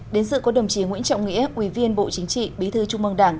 đến dự có đồng chí nguyễn trọng nghĩa quý viên bộ chính trị bí thư trung mong đảng